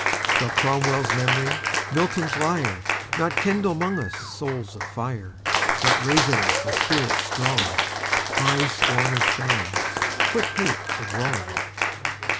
Shall Cromwell's memory, Milton's lyre, Not kindle 'mong us souls of fire, Not raise in us a spirit strong—High scorn of shams, quick hate of wrong?